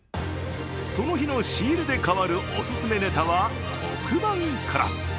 その日の仕入れで変わるおすすめネタは黒板から。